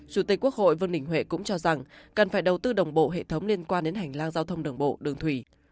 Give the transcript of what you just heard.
chủ tịch quốc hội vương đình huệ cũng cho rằng cần phải đầu tư đồng bộ hệ thống liên quan đến hành lang giao thông đường bộ đường thủy